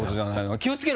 気をつけろ！